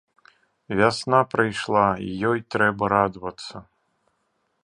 Вясна прыйшла, і ёй трэба радавацца!